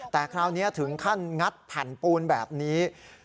แต่คราวนี้ถึงขั้นงัดแผ่นปูนแบบนี้